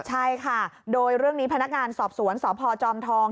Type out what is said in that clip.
ใช่ค่ะโดยเรื่องนี้พนักงานสอบสวนสพจอมทอง